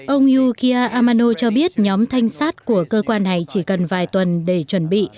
ông yukia amano cho biết nhóm thanh sát của cơ quan này chỉ cần vài tuần để chuẩn bị